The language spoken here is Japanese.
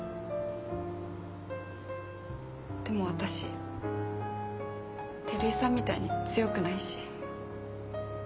でも私照井さんみたいに強くないし。